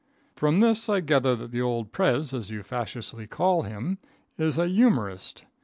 From this I gether that the old prez, as you faseshusly call him, is an youmorist.